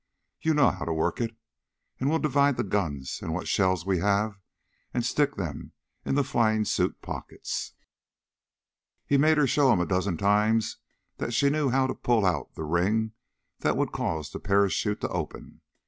You know how to work it? And we'll divide the guns and what shells we have, and stick them in the flying suit pockets." He made her show him a dozen times that she knew how to pull out the ring that would cause the parachute to open.